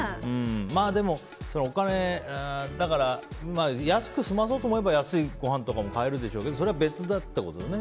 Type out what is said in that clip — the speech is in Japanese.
でも安く済まそうと思えば安いごはんも買えるでしょうけどそれは別だってことだよね。